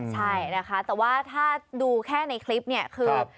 ใช่นะคะแต่ว่าถ้าดูแค่ในคลิปเนี่ยคือ